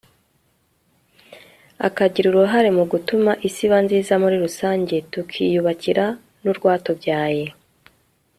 akagira uruhare mu gutuma isi iba nziza muri rusange ; tukiyubakira n'urwatubyaye